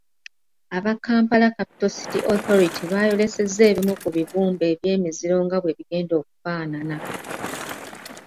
Aba Kampala Capital City Authority baayolesezza ebimu ku bibumbe by’emiziro nga bwe bigenda okufaanana.